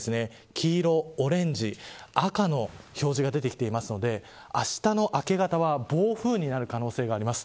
黄色、オレンジ、赤の表示が出てきているのであしたの明け方は暴風になる可能性があります。